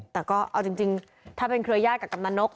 แต่ก็เอาจริงถ้าเป็นเครื่อย่างกับกับกำนานก